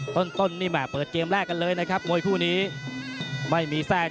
ต้นนี่แห่เปิดเกมแรกกันเลยนะครับมวยคู่นี้ไม่มีแทรก